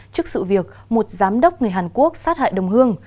trước sự việc một giám đốc người hàn quốc sát hại đồng hương